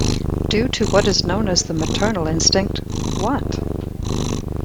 Due to what is known as the maternal instinct, what?